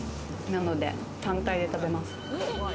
なので、単体で食べます。